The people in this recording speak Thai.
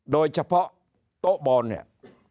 โดยเฉพาะโต๊ะบอลเนี่ย